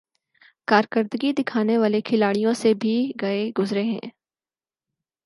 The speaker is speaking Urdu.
۔کارکردگی دکھانے والے کھلاڑیوں سے بھی گئے گزرے ہیں ۔